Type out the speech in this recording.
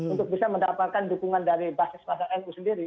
untuk bisa mendapatkan dukungan dari basis masa nu sendiri